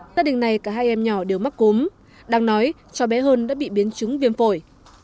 tất đình này cả hai em nhỏ đều mắc cúm đang nói cháu bé hơn đã bị biến chứng viêm phổi